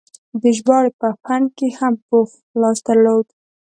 د ژباړې په فن کې یې هم پوخ لاس درلود.